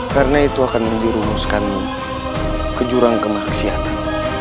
karena itu akan menggirumuskanmu ke jurang kemahksiatan